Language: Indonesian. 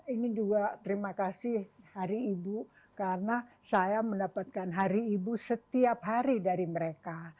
ini juga terima kasih hari ibu karena saya mendapatkan hari ibu setiap hari dari mereka